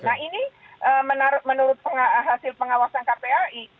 nah ini menurut hasil pengawasan kpai